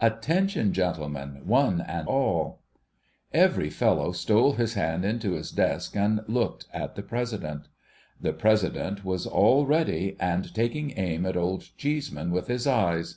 Attention, gentlemen, one and all !' Every fellow stole his hand into his desk and looked at the President. The President was all ready, and taking aim at Old Cheeseman with his eyes.